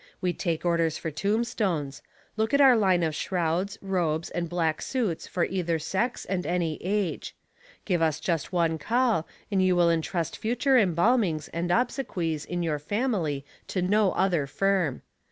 We take orders for tombstones. Look at our line of shrouds, robes, and black suits for either sex and any age. Give us just one call, and you will entrust future embalmings and obsequies in your family to no other firm.